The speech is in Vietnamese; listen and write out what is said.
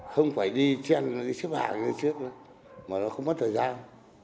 không phải đi trên cái chiếc hàng cái chiếc mà nó không mất thời gian